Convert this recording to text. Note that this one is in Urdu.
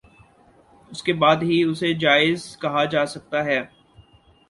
اس کے بعد ہی اسے جائز کہا جا سکتا ہے